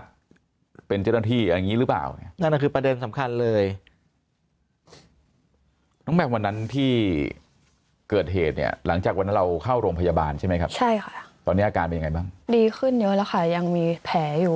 ดีขึ้นเยอะแล้วค่ะยังมีแผ่อยู่